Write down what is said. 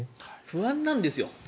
不安なんです。